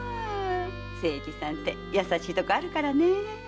清次さんて優しいとこあるからね。